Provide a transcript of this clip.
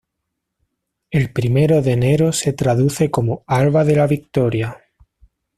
El Primero de Enero se traduce como alba de la Victoria.